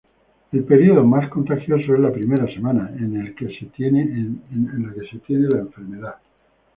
El periodo más contagioso es la primera semana en que se tiene la enfermedad.